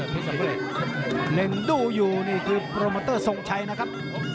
สำเร็จหนึ่งดูอยู่นี่คือโปรโมเตอร์ทรงชัยนะครับ